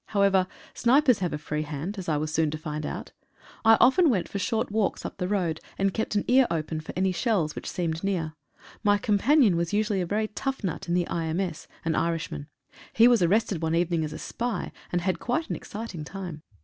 However, snipers have a free hand, as I was soon to find out. I often went short walks up the road, and kept an ear open for any shells which seemed near. My companion was usually a very tough nut in the I. M.S.— an Irishman. He was arrested one evening as a spy, and had quite an exciting time.